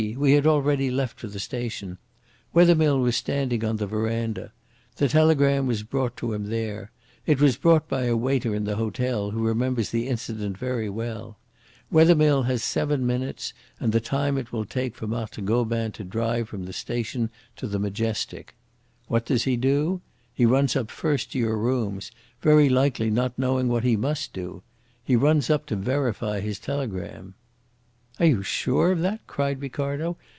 We had already left for the station. Wethermill was sitting on the verandah. The telegram was brought to him there. It was brought by a waiter in the hotel who remembers the incident very well. Wethermill has seven minutes and the time it will take for Marthe Gobin to drive from the station to the Majestic. What does he do? He runs up first to your rooms, very likely not yet knowing what he must do. He runs up to verify his telegram." "Are you sure of that?" cried Ricardo.